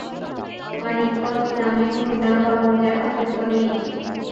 মানিকগঞ্জ নামে কোন গ্রাম বা মৌজার অস্তিত্ব নেই।